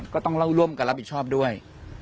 ก็ต้องเล่าร่วมกันรับผิดชอบด้วย